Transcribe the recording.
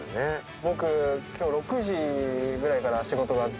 僕今日６時ぐらいから仕事があって。